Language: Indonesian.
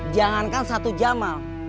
jangankan satu jamal